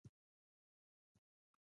ایا ستاسو دکان ډک نه دی؟